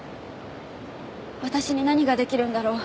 私に何ができるんだろう